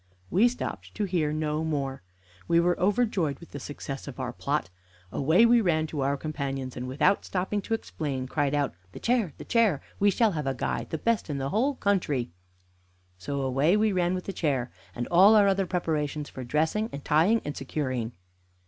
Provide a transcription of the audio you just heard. We stopped to hear no more. We were overjoyed with the success of our plot. Away we ran to our companions, and, without stopping to explain, cried out: "The chair! the chair! We shall have a guy, the best in the whole country!" So away we ran with the chair, and all our other preparations for dressing and tying and securing.